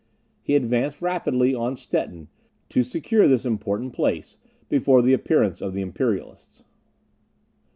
He advanced rapidly on Stettin, to secure this important place before the appearance of the Imperialists.